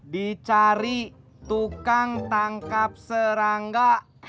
dicari tukang tangkap serangga